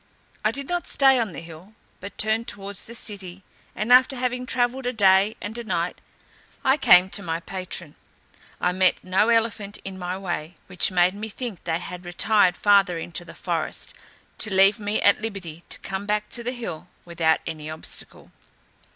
I did not stay on the hill, but turned towards the city, and, after having travelled a day and a night, I came to my patron. I met no elephant in my way, which made me think they had retired farther into the forest, to leave me at liberty to come back to the hill without any obstacle.